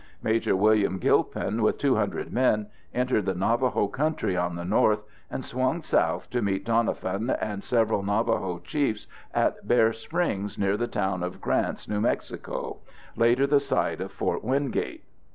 Maj. William Gilpin, with 200 men, entered the Navajo country on the north and swung south to meet Doniphan and several Navajo chiefs at Bear Springs near the town of Grants, New Mexico, later the site of Fort Wingate.